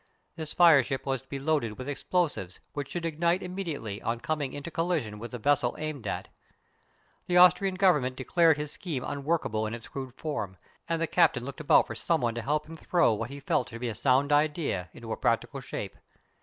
This fireship was to be loaded with explosives which should ignite immediately on coming into collision with the vessel aimed at. The Austrian Government declared his scheme unworkable in its crude form, and the Captain looked about for some one to help him throw what he felt to be a sound idea into a practical shape.